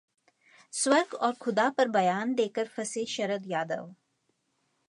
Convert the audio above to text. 'स्वर्ग और खुदा' पर बयान देकर फंसे शरद यादव